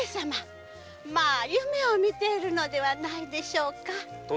まぁ夢を見ているのではないでしょうか。